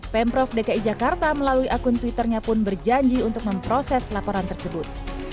pemprov dki jakarta melalui akun twitternya pun berjanji untuk memproses laporan tersebut